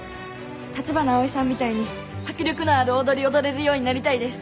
橘アオイさんみたいに迫力のある踊りを踊れるようになりたいです。